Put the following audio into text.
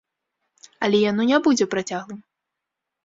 Але яно не будзе працяглым.